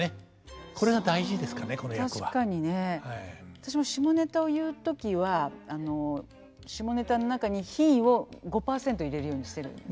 私も下ネタを言う時は下ネタの中に品位を５％入れるようにしてるんです。